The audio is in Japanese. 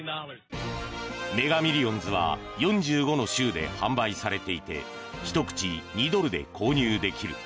メガ・ミリオンズは４５の州で販売されていて１口２ドルで購入できる。